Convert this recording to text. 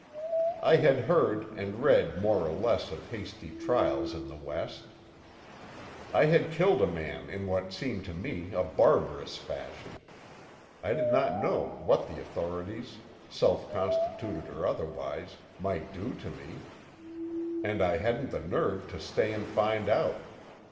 I had heard and read more or less of hasty trials in the West; I had killed a man in what seemed to me a barbarous fashion; I did not know what the authorities, self constituted or otherwise, might do to me—and I hadn't the nerve to stay and find out.